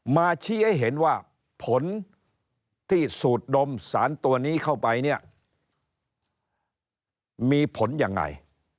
ชี้ให้เห็นว่าผลที่สูดดมสารตัวนี้เข้าไปเนี่ยมีผลยังไง